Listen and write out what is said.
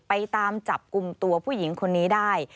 ไปตามจับกลุ่มตัวผู้หญิงคนนี้ได้